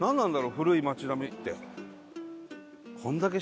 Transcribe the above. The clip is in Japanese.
古い町並って。